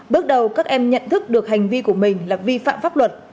bước đầu các em nhận thức được hành vi của mình là vi phạm pháp luật